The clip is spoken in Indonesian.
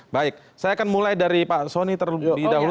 baik saya akan mulai dari pak soni terlebih dahulu